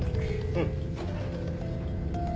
うん。